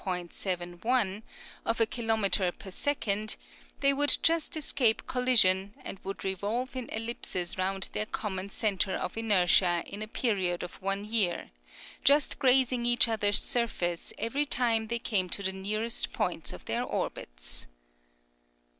7 1 ) of a kilometre per second, they would just escape collision, and would revolve in ellipses round their common centre of inertia in a period of one year, just grazing each other's surface every time they came to the nearest points of their orbits.